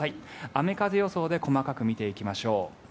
雨風予想で細かく見ていきましょう。